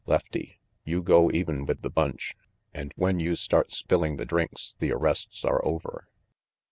Lefty, you go even with the bunch, and when you start spilling th6 drinks the arrests are over.